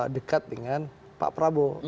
dekat dengan pak prabowo